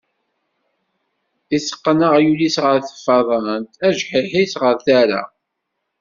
Iteqqen aɣyul-is ɣer tfeṛṛant, ajḥiḥ-is ɣer tara.